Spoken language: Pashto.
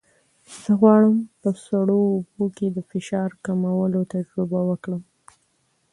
زه غواړم په سړو اوبو کې د فشار کمولو تجربه وکړم.